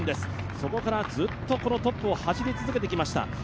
そこからずっとトップを走り続けてきました。